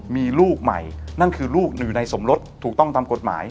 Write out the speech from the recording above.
มีลูกใหม่นั่นคือลูกหนึ่งในสมรสถูกต้องตามกฎหมาย